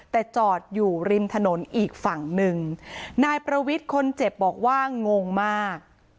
แต่จอดอยู่ริมถนนอีกฝั่งหนึ่งนายประวิทย์คนเจ็บบอกว่างงมาก